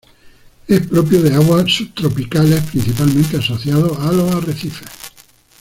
Es propio de aguas subtropicales, principalmente asociado a los arrecifes.